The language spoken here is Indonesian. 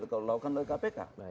kalau dilakukan oleh kpk